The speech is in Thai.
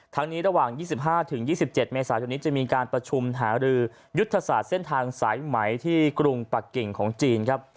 ทั้งนี้ระหว่าง๒๕๒๗เมษายนนี้จะมีการประชุมหารือยุทธศาสตร์เส้นทางสายไหมที่กรุงปักกิ่งของจีนครับ